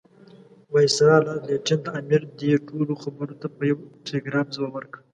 وایسرا لارډ لیټن د امیر دې ټولو خبرو ته په یو ټلګراف ځواب ورکړ.